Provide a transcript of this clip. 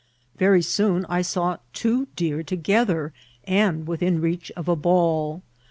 Very soon I saw two deer together, and within reach of a ball.